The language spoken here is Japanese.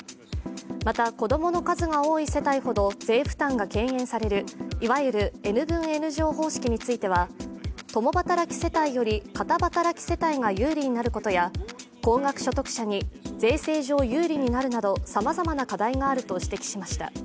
また子供の数が多い世帯ほど税負担が軽減されるいわゆるＮ分Ｎ乗方式については共働き世帯より片働き世帯が有利になることや、高額所得者に税制上有利になるなどさまざまな課題があると指摘しました。